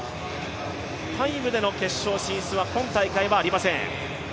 タイムでの決勝進出は今大会はありません。